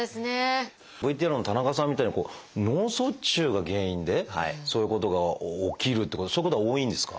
ＶＴＲの田中さんみたいに脳卒中が原因でそういうことが起きるってそういうことは多いんですか？